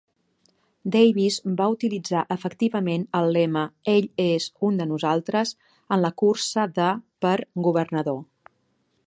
Davis va utilitzar efectivament el lema "ell és un de nosaltres" en la cursa de per governador.